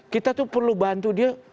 kita tuh perlu bantu dia